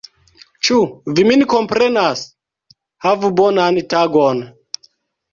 Ĉu vi min komprenas? Havu bonan tagon!